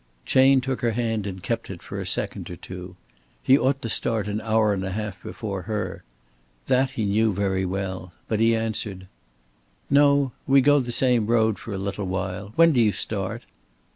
Chayne took her hand and kept it for a second or two. He ought to start an hour and a half before her. That he knew very well. But he answered: "No. We go the same road for a little while. When do you start?"